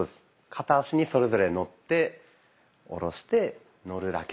片足にそれぞれのって下ろしてのるだけ。